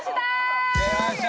出ました。